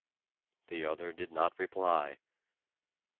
The other did not reply.